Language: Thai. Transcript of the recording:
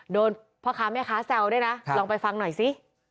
โดนพ่อค้าแม่ค้าแซวด้วยนะลองไปฟังหน่อยสิ